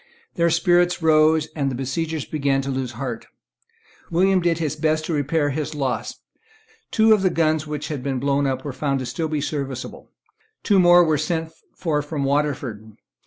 Their spirits rose; and the besiegers began to lose heart. William did his best to repair his loss. Two of the guns which had been blown up were found to be still serviceable. Two more were sent for from Waterford.